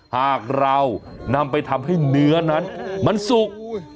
หากเรานำไปทำให้เนื้อนั้นมันสุก